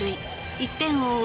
１点を追う